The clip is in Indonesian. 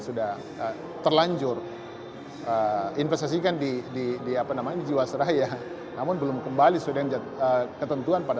sudah terlanjur investasikan di di apa namanya jiwasraya namun belum kembali sudah ketentuan pada